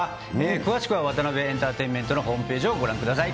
詳しくはワタナベエンターテインメントのホームページをご覧ください。